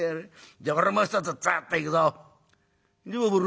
「じゃあ俺も一つつっといくよ」。